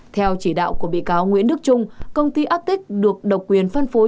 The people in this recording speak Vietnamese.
theo chỉ đạo của bị cáo nguyễn đức trung công ty atic được độc quyền phân phối